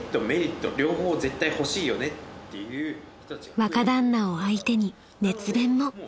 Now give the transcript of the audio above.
［若旦那を相手に熱弁も］